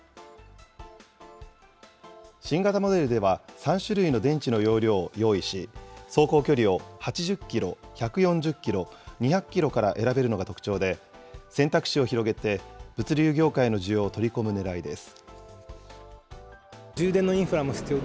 新型モデルでは、３種類の電池の容量を用意し、走行距離を８０キロ、１４０キロ、２００キロから選べるのが特徴で、選択肢を広げて、物流業界の需要を取り込むねらいです。